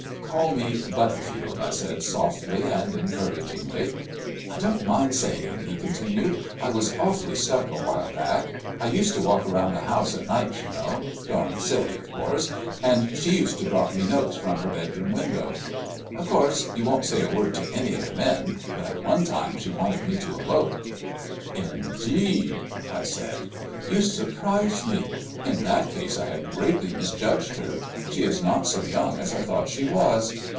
"Call me Butterfield," I said softly and encouragingly. "I don't mind saying," he continued, "I was awfully stuck a while back. I used to walk round the house at nights, you know darned silly, of course and she used to drop me notes from her bedroom window. Of course you won't say a word to any of the men, but at one time she wanted me to elope." "Indeed!" I said. "You surprise me. In that case I have greatly misjudged her. She is not so young as I thought she was."